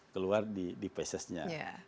keluar di pasesnya